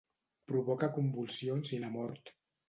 Provoca convulsions i la mort.